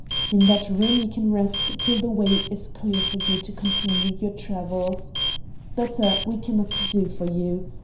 In that room you can rest till the way is clear for you to continue your travels. Better, we can not do for you.